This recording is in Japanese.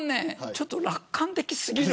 ちょっと楽観的すぎる。